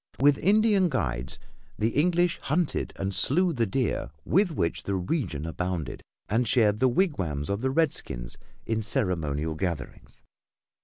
With Indian guides, the English hunted and slew the deer with which the region abounded and shared the wigwams of the redskins in ceremonial gatherings.